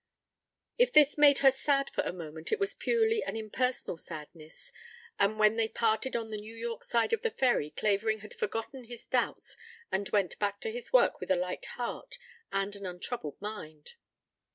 If this made her sad for a moment it was purely an impersonal sadness, and when they parted on the New York side of the ferry Clavering had forgotten his doubts and went back to his work with a light heart and an untroubled mind.